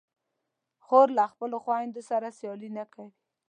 خور له خپلو خویندو سره سیالي نه کوي.